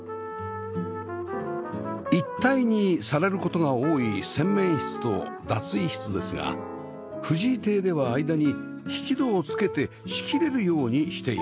一体にされる事が多い洗面室と脱衣室ですが藤井邸では間に引き戸を付けて仕切れるようにしています